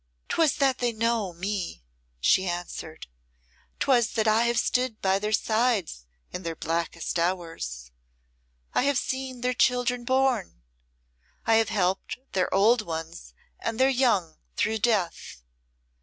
"Twas that they know me," she answered; "'twas that I have stood by their sides in their blackest hours. I have seen their children born. I have helped their old ones and their young through death.